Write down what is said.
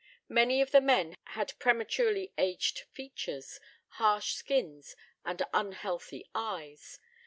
Many of the men had prematurely aged features, harsh skins, and unhealthy eyes.